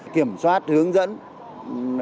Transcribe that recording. kiểm soát hướng dẫn phòng ngừa từ xa